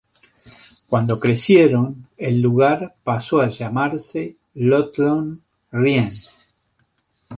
Cuando crecieron, el lugar pasó a llamarse Lothlórien.